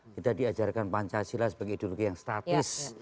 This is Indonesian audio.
kita diajarkan pancasila sebagai ideologi yang statis